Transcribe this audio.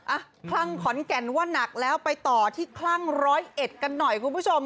คลั่งขอนแก่นว่านักแล้วไปต่อที่คลั่งร้อยเอ็ดกันหน่อยคุณผู้ชม